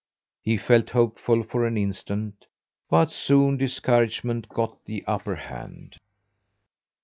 He felt hopeful for an instant, but soon discouragement got the upper hand.